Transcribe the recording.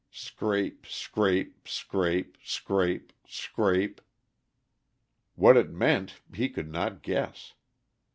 Scrape, scrape, scrape, scrape, scrape. What it meant he could not guess.